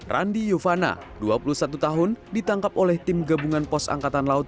randi yuvana dua puluh satu tahun ditangkap oleh tim gabungan pos angkatan laut